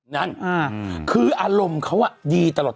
นั่นคืออารมณ์เขาดีตลอด